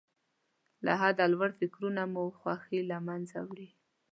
له حده لوړ فکرونه مو خوښۍ له منځه وړي.